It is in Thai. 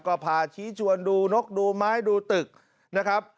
ก็พาชี้ชวนดูนกดูไม้ดูตึกนะครับ